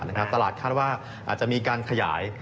มีโอกาสตลาดคาดว่าอาจจะมีการขยาย